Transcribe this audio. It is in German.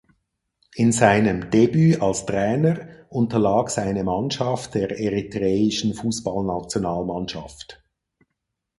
In seinem Debüt als Trainer unterlag seine Mannschaft der eritreischen Fußballnationalmannschaft.